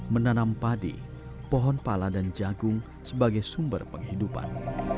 menanam padi pohon pala dan jagung sebagai sumber penghidupan